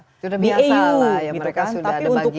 itu sudah biasa lah ya mereka sudah ada bagiannya